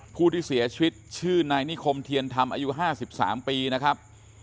ผู้ที่เสียชีวิตชื่อนายนิคมเทียนธรรมอายุ๕๓ปีนะครับ